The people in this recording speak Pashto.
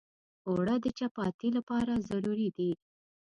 اوړه د چپاتي لپاره ضروري دي